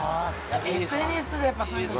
ＳＮＳでやっぱそういうの。